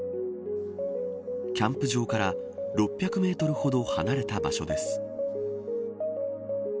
キャンプ場から６００メートルほど離れた場所です。